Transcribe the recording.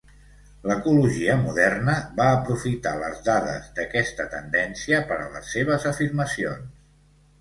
L'ecologia moderna va aprofitar les dades d'aquesta tendència per a les seves afirmacions.